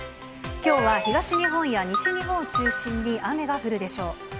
きょうは東日本や西日本を中心に雨が降るでしょう。